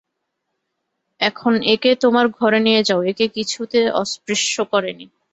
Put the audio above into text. এখন এঁকে তোমার ঘরে নিয়ে যাও, একে কিছুতে অস্পৃশ্য করে নি।